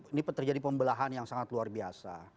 ini terjadi pembelahan yang sangat luar biasa